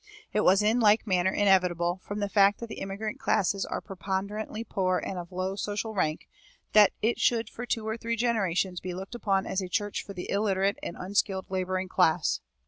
It was in like manner inevitable, from the fact that the immigrant class are preponderantly poor and of low social rank, that it should for two or three generations be looked upon as a church for the illiterate and unskilled laboring class.